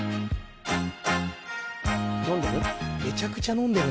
飲んでる？